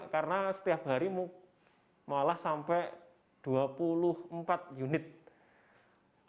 karena setiap hari malah sampai dua puluh empat unit permintaannya